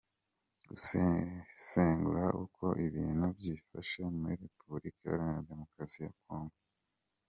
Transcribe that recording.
Gusesengura uko ibintu byifashe muri Repubulika iharanira Demokarasi ya Congo